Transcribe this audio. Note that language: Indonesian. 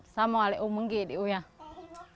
sama alik umenggik dia alik umenggik